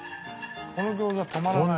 この餃子止まらない。